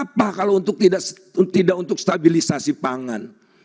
apa kalau untuk tidak untuk stabilisasi pangan